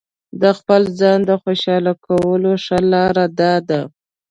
د خپل ځان د خوشاله کولو ښه لاره داده.